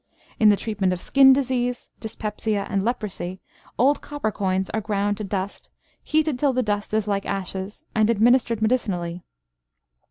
In the treatment of skin disease, dyspepsia, and leprosy, old copper coins are ground to dust, heated till the dust is like ashes, and administered medicinally.